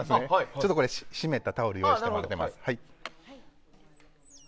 ちょっと湿ったタオルを用意してます。